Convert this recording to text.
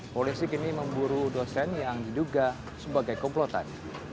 polisi kini memburu dosen yang diduga sebagai komplotan